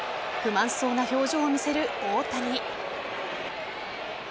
不満そうな表情を見せる大谷。